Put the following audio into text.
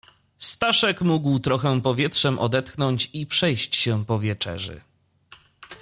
"Staszek mógł trochę powietrzem odetchnąć i przejść się po wieczerzy."